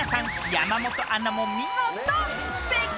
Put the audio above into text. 山本アナも見事正解！